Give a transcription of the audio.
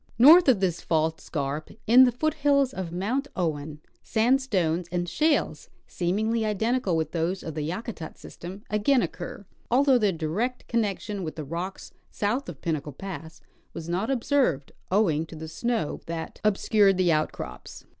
North of this fault scarp, in the foothills of Mount Owen, sandstones and shales, seemingly identical Avith those of the Yakutat system, again occur, although their direct connection with the rocks south of Pinnacle pass was not observed, owing to the snow that obscured the outcrops.